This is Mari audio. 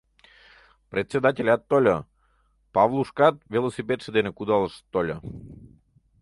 Председателят тольо, Павлушкат велосипедше дене кудалышт тольо.